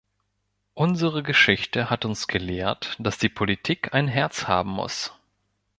Unsere Geschichte hat uns gelehrt, dass die Politik ein Herz haben muss.